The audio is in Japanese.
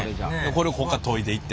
これこっから研いでいって。